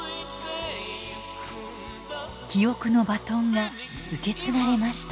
記憶のバトンが受け継がれました。